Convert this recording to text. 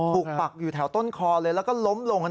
ปักอยู่แถวต้นคอเลยแล้วก็ล้มลง